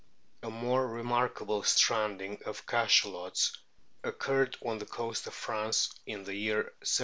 A more remarkable stranding of Cachalots occurred on the coast of France in the year 1/84.